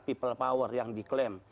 people power yang diklaim